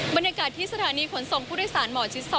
บรรยากาศที่สถานีขนส่งผู้โดยสารหมอชิด๒